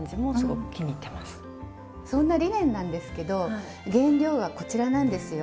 そんなリネンなんですけど原料はこちらなんですよ。